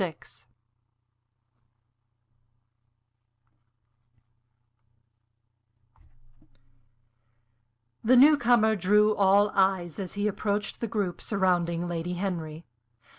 VI The new comer drew all eyes as he approached the group surrounding Lady Henry.